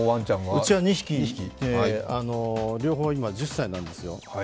うちは２匹、両方今、１０歳なんですよ。